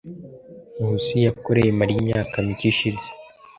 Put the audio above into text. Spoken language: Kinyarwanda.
Nkusi yakoreye Mariya imyaka mike ishize.